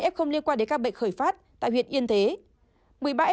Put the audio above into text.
hai mươi f liên quan đến các bệnh khởi phát tại huyện yên thế